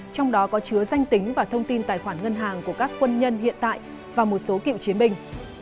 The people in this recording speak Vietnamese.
trong đó có chứa danh tính và thông tin tài khoản ngân hàng của các quân nhân hiện tại và một số cựu chiến binh